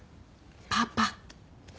パパ！